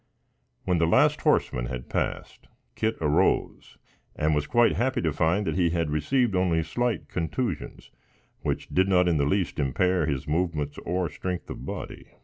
When the last horseman had passed, Kit arose, and was quite happy to find that he had received only slight contusions, which did not in the least impair his movements or strength of body.